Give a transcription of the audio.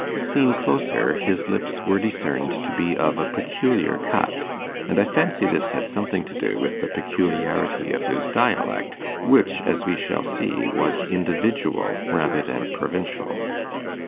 Seen closer, his lips were discerned to be of a peculiar cut, and I fancy this had something to do with the peculiarity of his dialect, which, as we shall see, was individual rather than provincial.